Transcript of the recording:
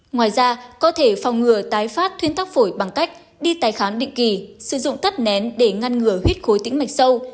ngoài ra có thể phòng ngừa tái phát thuyên tắc phổi bằng cách đi tái khám định kỳ sử dụng tất nén để ngăn ngừa huyết khối tĩnh mạch sâu